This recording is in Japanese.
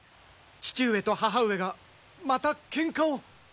父上と母上がまたケンカを。